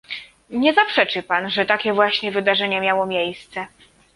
Nie zaprzeczy Pan, że takie właśnie wydarzenie miało miejsce